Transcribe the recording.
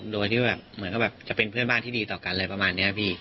โดยที่จะเป็นเพื่อนบ้านที่ดีต่อกันอะไรประมาณนี้ครับพี่